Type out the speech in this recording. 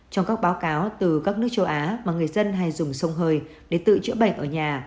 trong các báo cáo từ các nước châu á mà người dân hay dùng sông hơi để tự chữa bệnh ở nhà